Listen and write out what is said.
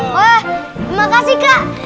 wah terima kasih kak